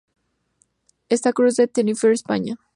Sta Cruz de Tenerife España.